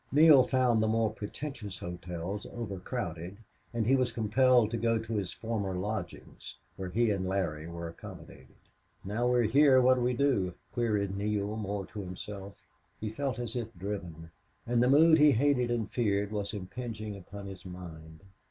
Neale found the more pretentious hotels overcrowded, and he was compelled to go to his former lodgings, where he and Larry were accommodated. "Now, we're here, what 'll we do?" queried Neale, more to himself. He felt as if driven. And the mood he hated and feared was impinging upon his mind.